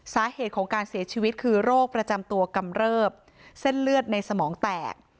สาเหตุของการเสียชีวิตคือโรคประจำตัวกำเริบเส้นเลือดในสมองแตก